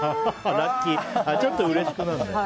ラッキーでちょっとうれしくなるね。